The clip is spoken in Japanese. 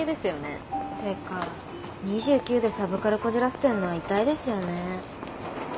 てか２９でサブカルこじらせてんのはイタいですよね。